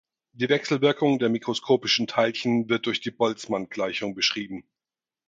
Die Wechselwirkung der mikroskopischen Teilchen wird durch die Boltzmann-Gleichung beschrieben.